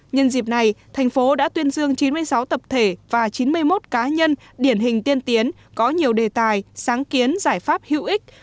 nhân dịp này thành phố đã tuyên dương chín mươi sáu tập thể và chín mươi một cá nhân điển hình tiên tiến có nhiều đề tài sáng kiến giải pháp hữu ích